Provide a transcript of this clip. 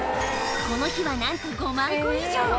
この日はなんと、５万個以上。